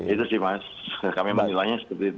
itu sih mas